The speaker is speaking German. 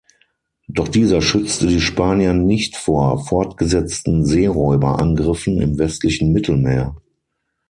Doch dieser schützte die Spanier nicht vor fortgesetzten Seeräuber-Angriffen im westlichen Mittelmeer.